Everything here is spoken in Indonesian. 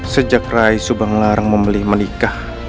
sejak rai subang larang membeli menikah